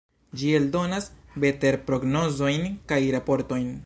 Ĝi eldonas veterprognozojn kaj raportojn.